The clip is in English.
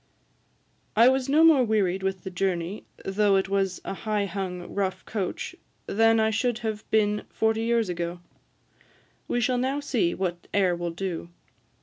I was no more wearied with the journey, though it was a high hung, rough coach, than I should have been forty years ago. We shall now see what air will do.